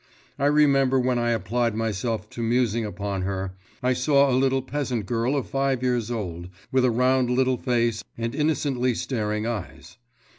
I remember when I applied myself to musing upon her, I saw a little peasant girl of five years old, with a round little face and innocently staring eyes.